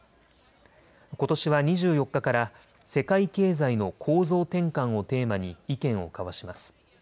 ことしは２４日から世界経済の構造転換をテーマに意見を交わします。